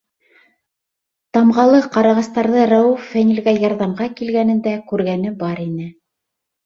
Тамғалы ҡарағастарҙы Рәүеф Фәнилгә ярҙамға килгәнендә күргәне бар ине.